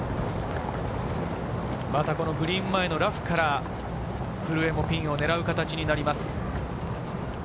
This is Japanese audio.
グリーン前のラフから古江もピンを狙う形になります。